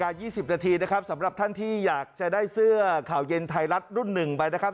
๒๐นาทีนะครับสำหรับท่านที่อยากจะได้เสื้อข่าวเย็นไทยรัฐรุ่นหนึ่งไปนะครับ